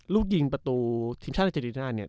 ลูกยิงประตูทีมชาติอาเจริน่าเนี่ย